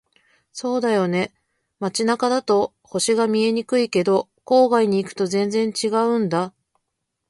そうだよね。街中だと星が見えにくいけど、郊外に行くと全然違うんだ。